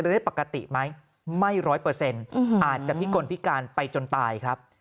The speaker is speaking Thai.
ได้ปกติไหมไม่ร้อยเปอร์เซ็นต์อาจจะพิกลพิการไปจนตายครับ